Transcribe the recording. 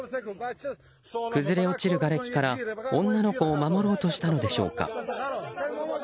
崩れ落ちるがれきから女の子を守ろうとしたのでしょうか。